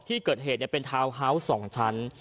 ที่เกิดเหตุเป็นทาวน์ฮาวส์๒ชั้น